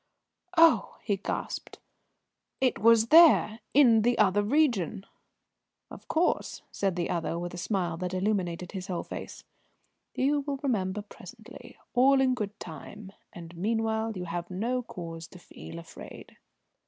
"Oh!" he gasped. "It was there in the other region?" "Of course," said the other, with a smile that illumined his whole face. "You will remember presently, all in good time, and meanwhile you have no cause to feel afraid."